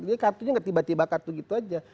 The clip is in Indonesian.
jadi kartunya enggak tiba tiba kartu gitu aja